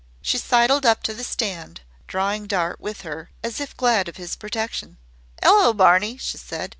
She sidled up to the stand, drawing Dart with her, as if glad of his protection. "'Ello, Barney," she said.